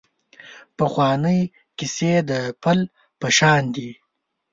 پخوانۍ کیسې د پل په شان دي .